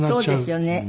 そうですよね。